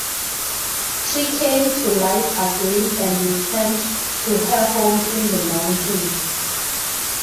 She came to life again and returned to her home in the mountain.